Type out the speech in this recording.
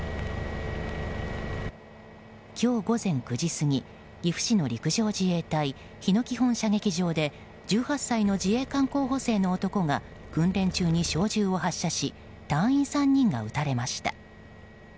今日午前９時過ぎ岐阜市の陸上自衛隊日野基本射撃場で１８歳の自衛官候補生の男が訓練中に小銃を発射し隊員３人が撃たれました。